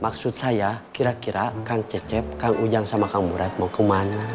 maksud saya kira kira kang cecep kang ujang sama kang buret mau kemana